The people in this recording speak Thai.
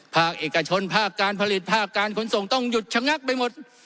ภาคเอกชนภาคการผลิตภาคการขนส่งต้องหยุดชะงักไปหมด